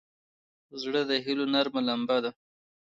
زړه د هيلو نرمه لمبه ده.